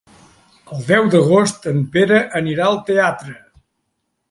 El deu d'agost en Pere anirà al teatre.